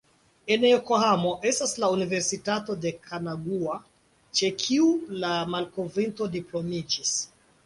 En Jokohamo estas la Universitato de Kanagaŭa, ĉe kiu la malkovrinto diplomiĝis.